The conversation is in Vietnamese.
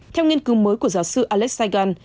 theo nghiên cứu mới của giáo sư alex saigon